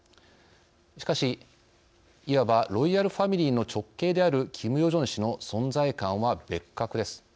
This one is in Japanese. しかし、いわばロイヤルファミリーの直系であるキム・ヨジョン氏の存在感は別格です。